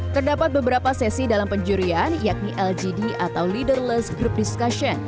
terdapat beberapa sesi dalam penjurian yakni lgd atau leaderless group discussion